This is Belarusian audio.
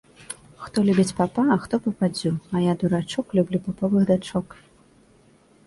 Хто любіць папа, а хто пападдзю, а я дурачок, люблю паповых дачок